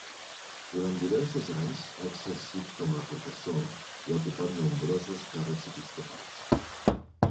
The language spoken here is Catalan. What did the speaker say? Durant diversos anys ha exercit com a professor i ha ocupat nombrosos càrrecs episcopals.